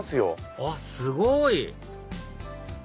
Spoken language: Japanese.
あっすごい！